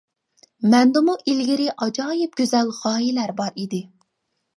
مەندىمۇ ئىلگىرى ئاجايىپ گۈزەل غايىلەر بار ئىدى.